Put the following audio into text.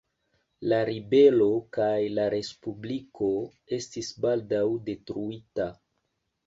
La ribelo kaj la respubliko estis baldaŭ detruita.